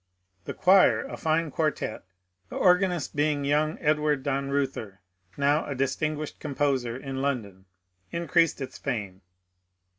The choir, a fine quartette, the organist being young Edward Dannreuther, now a dis tinguished composer in London, increased its fame.